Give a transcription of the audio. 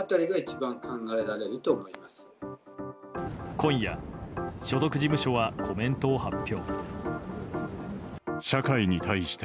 今夜、所属事務所はコメントを発表。